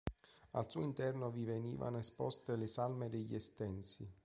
Al suo interno vi venivano esposte le salme degli Estensi.